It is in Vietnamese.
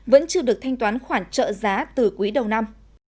vẫn chưa được thanh toán khoản trợ giá từ quý đầu năm